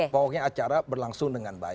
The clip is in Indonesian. pokoknya acara berlangsung dengan baik